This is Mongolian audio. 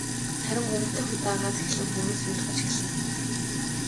Харин гурав дахь удаагаас эхлэн хүмүүс сонирхож эхэлнэ.